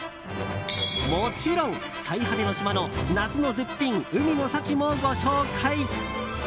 もちろん、最果ての島の夏の絶品、海の幸もご紹介。